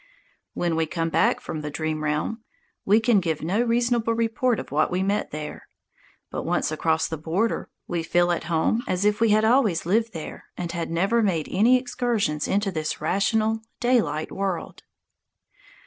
When we come back from the dream realm, we can give no reasonable report of what we met there. But once across the border, we feel at home as if we had always lived there and had never made any excursions into this rational daylight world.